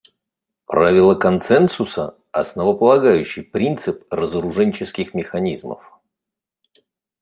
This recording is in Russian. Правило консенсуса − основополагающий принцип разоруженческих механизмов.